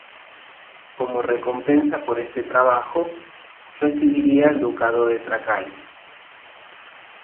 Como recompensa por ese trabajo, recibiría el ducado de Trakai.